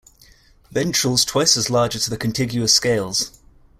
Ventrals twice as large as the contiguous scales.